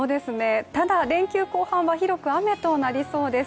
ただ、連休後半は広く雨となりそうです。